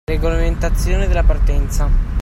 Regolamentazione della partenza